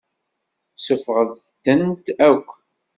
Suffɣet-tent akk.